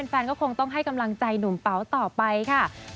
แฟนก็คงต้องให้กำลังใจหนุ่มเป๋าต่อไปค่ะ